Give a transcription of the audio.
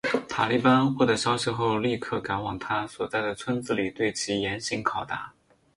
塔利班获得消息后立刻赶往他所在的村子里对其严刑拷打。